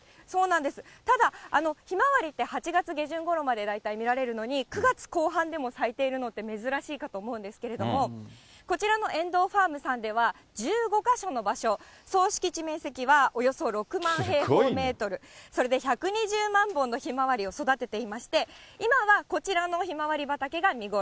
ただひまわりって、８月下旬ごろまで大体見られるのに、９月後半でも咲いているのって珍しいかと思うんですけれども、こちらの遠藤ファームさんでは、１５か所の場所、総敷地面積はおよそ６万平方メートル、それで１２０万本のひまわりを育てていまして、今はこちらのひまわり畑が見頃。